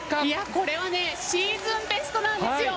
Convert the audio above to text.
これはシーズンベストなんですよ。